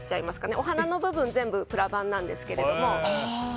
お花の部分は全部プラバンなんですけど。